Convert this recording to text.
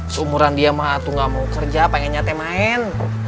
seumuran dia mah aku gak mau kerja pengen nyate main